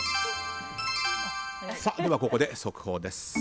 ではここで速報です。